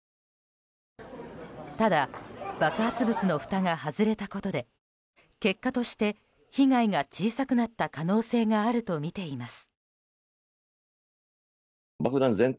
ただ爆発物のふたが外れたことで結果として被害が小さくなった可能性があるとみています。